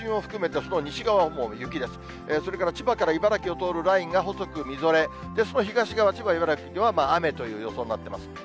それから千葉から茨城を通るラインが細くみぞれ、その東側、千葉や茨城では雨という予想になってます。